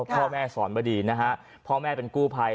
พ่อแม่สอนบดีนะฮะพ่อแม่เป็นกู้ภัย